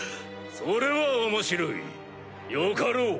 それは面白いよかろう！